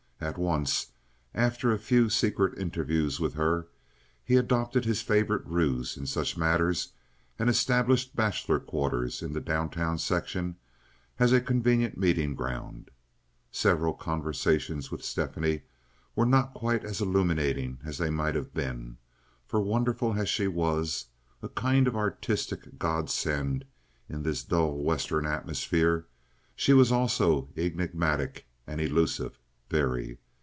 At once, after a few secret interviews with her, he adopted his favorite ruse in such matters and established bachelor quarters in the down town section as a convenient meeting ground. Several conversations with Stephanie were not quite as illuminating as they might have been, for, wonderful as she was—a kind of artistic godsend in this dull Western atmosphere—she was also enigmatic and elusive, very.